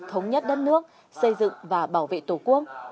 thống nhất đất nước xây dựng và bảo vệ tổ quốc